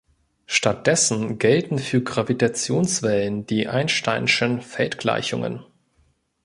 Stattdessen gelten für Gravitationswellen die Einsteinschen Feldgleichungen.